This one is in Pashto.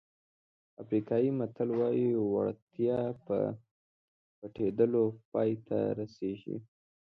افریقایي متل وایي وړتیا په پټېدلو پای ته رسېږي.